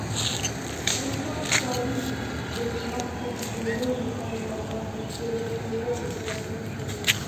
انساني ښکار د ځمکنیو لویو حیواناتو ورکېدو دلیل ښيي.